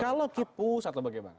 kalau kipu satu bagaimana